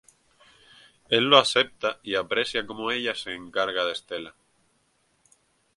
Él lo acepta y aprecia cómo ella se encarga de Stella.